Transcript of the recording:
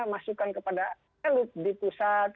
masukan kepada elit di pusat